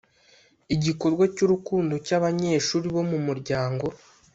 igikorwa ry’urukundo cy’abanyeshuli bo mu muryango